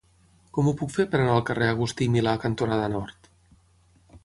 Com ho puc fer per anar al carrer Agustí i Milà cantonada Nord?